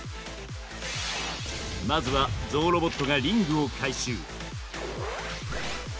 まずはゾウロボットがリングを回収。